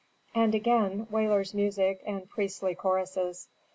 And again wailers' music and priestly choruses.